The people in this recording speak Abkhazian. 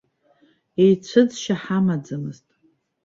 Еицәыӡшьа ҳамаӡамызт.